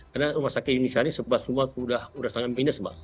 karena rumah sakit indonesia ini sempat semua sudah sangat minus mbak